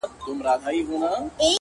لا به چي تا پسې بهيږي اوښکي څه وکړمه”